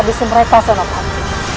habis mereka senap hati